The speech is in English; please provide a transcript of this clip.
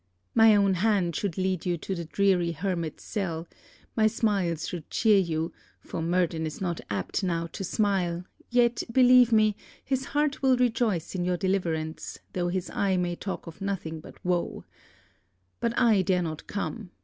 My own hand should lead you to the dreary hermit's cell My smiles should cheer you for Murden is not apt now to smile, yet, believe me, his heart will rejoice in your deliverance, though his eye may talk of nothing but woe But I dare not come.